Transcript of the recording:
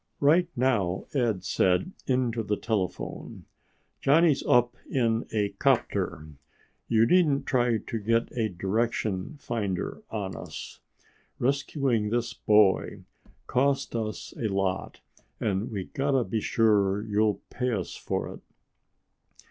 "Right now," Ed said into the telephone, "Johnny's up in a 'copter. You needn't try to get a direction finder on us. Rescuing this boy cost us a lot and we gotta be sure you'll pay us for it."